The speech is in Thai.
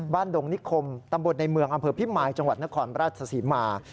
ดงนิคมตำบลในเมืองอำเภอพิมายจังหวัดนครราชศรีมา